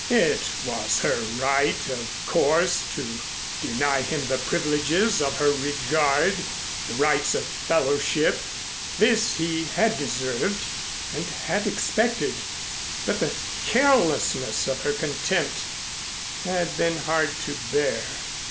It was her right, of course, to deny him the privileges of her regard the rights of fellowship this he had deserved and had expected, but the carelessness of her contempt had been hard to bear.